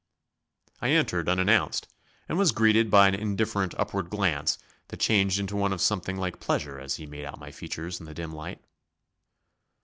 I entered unannounced, and was greeted by an indifferent upward glance that changed into one of something like pleasure as he made out my features in the dim light.